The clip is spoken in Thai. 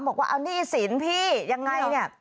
บอกว่าเอาหนี้สินพี่ยังไงเนี่ย